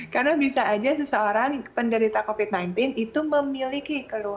karena bisa saja seseorang penderita covid sembilan belas itu memiliki keluhan